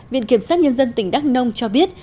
viện kiểm sát nhân dân tỉnh đắk nông cho biết